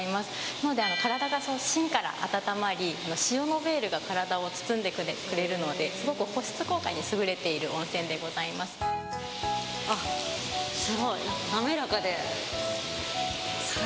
なので体が芯から温まり塩のベールが体を包んでくれるのですごく保湿効果に優れている温泉でございます。